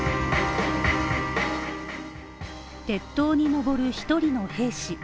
鉄塔に上る１人の兵士